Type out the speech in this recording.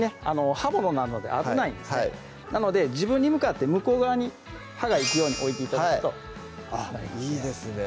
刃物なので危ないですねなので自分に向かって向こう側に刃が行くように置いて頂くとあっいいですね